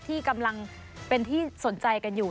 ที่กำลังเป็นที่สนใจกันอยู่